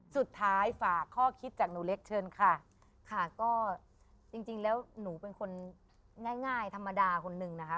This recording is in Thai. สุดท้ายฝากข้อคิดจากหนูเล็กเชิญค่ะค่ะก็จริงแล้วหนูเป็นคนง่ายธรรมดาคนนึงนะคะ